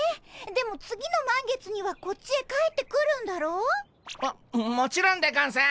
でも次の満月にはこっちへ帰ってくるんだろ？ももちろんでゴンス。